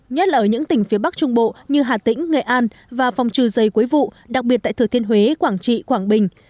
nhất là ở những tỉnh phía bắc trung bộ như hà tĩnh nghệ an và phòng trừ dây quấy vụ đặc biệt tại thừa thiên huế quảng trị quảng bình